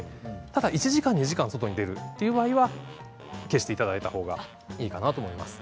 ただ１時間２時間外に出るっていう場合は消していただいたほうがいいかなと思います。